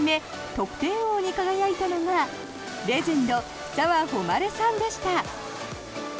得点王に輝いたのがレジェンド澤穂希さんでした。